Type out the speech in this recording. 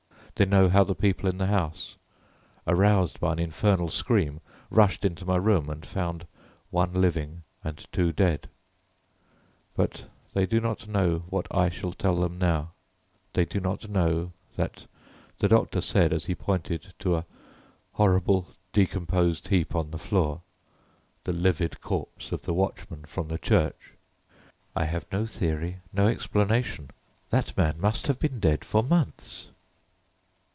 They know how the people in the house, aroused by an infernal scream, rushed into my room and found one living and two dead, but they do not know what I shall tell them now; they do not know that the doctor said as he pointed to a horrible decomposed heap on the floor the livid corpse of the watchman from the church: "I have no theory, no explanation. That man must have been dead for months!"